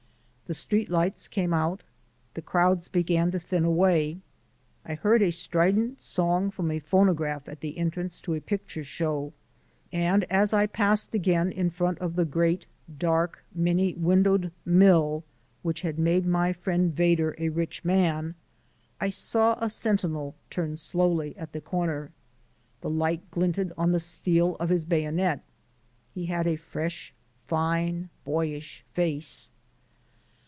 The street lights came out, the crowds began to thin away, I heard a strident song from a phonograph at the entrance to a picture show, and as I passed again in front of the great, dark, many windowed mill which had made my friend Vedder a rich man I saw a sentinel turn slowly at the corner. The light glinted on the steel of his bayonet. He had a fresh, fine, boyish face.